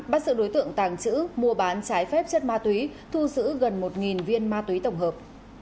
bắt sự đối tượng tàng trữ mua bán trái phép chất ma túy thu giữ gần một viên ma túy tổng hợp